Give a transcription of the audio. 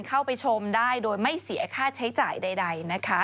เข้าไปชมได้โดยไม่เสียค่าใช้จ่ายใดนะคะ